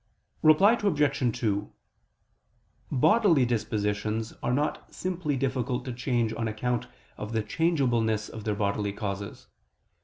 Reply Obj. 2: Bodily dispositions are not simply difficult to change on account of the changeableness of their bodily causes.